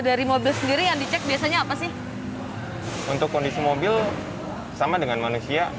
dari mobil sendiri yang dicek biasanya apa sih untuk kondisi mobil sama dengan manusia